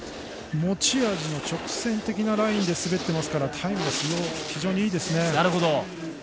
持ち味の直線的なラインで滑っていますからタイムは非常にいいですね。